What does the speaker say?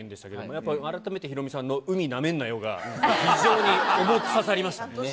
やっぱり改めて、ヒロミさんの、海なめんなよが、非常に重く刺さりましたね。